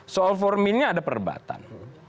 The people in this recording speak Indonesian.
soal forminnya ada perdebatan